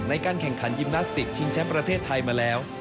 ในการแข่งขันยิมนาสติกชิงแชมป์ประเทศไทยมาแล้ว